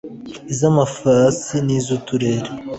Iz amafasi n iz uturere